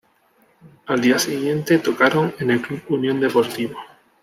Al día siguiente tocaron en el Club Unión Deportivo.